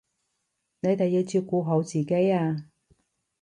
你哋要照顧好自己啊